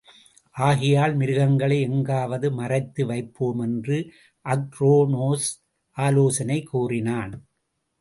ஆகையால் மிருகங்களை எங்காவது மறைத்து வைப்போம் என்று அக்ரோனோஸ் ஆலோசனை கூறினான்.